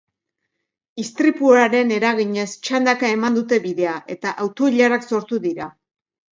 Istripuaren eraginez, txandaka eman dute bidea, eta auto-ilarak sortu dira.